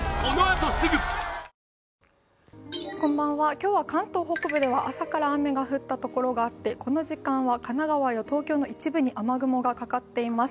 今日は関東北部では朝から雨が降ったところがあって、この時間は神奈川や東京の一部に雨雲がかかっています。